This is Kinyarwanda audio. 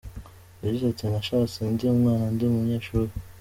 Yagize ati “Nashatse ndi umwana ndi umunyeshuri.